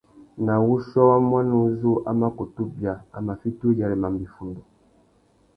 Nà wuchiô wa muaná uzu a mà kutu bia, a mà fiti uyêrê mamba iffundu.